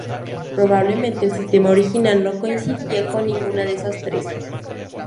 Probablemente el sistema original no coincida con ninguna de esas tres.